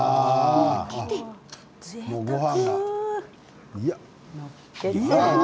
ぜいたく。